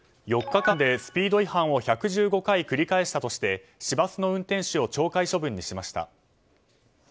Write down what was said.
４日間でスピード違反を１１５回繰り返したとして市バスの運転手を懲戒処分にしました。